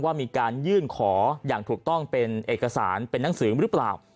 ว่ามีการยื่นขออย่างถูกต้องเป็นเอกสารเป็นนังสือหรือเปล่า